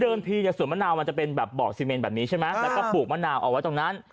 เดินที่สวนมะนาวมันจะเป็นเบาะเซเมนแบบนี้ใช่ไหมแล้วก็ปลูกมะนาวออกไว้ตรงนั้น